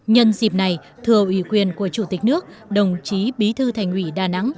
nhân dịp này thưa ủy quyền của chủ tịch nước đồng chí bí thư thành ủy đà nẵng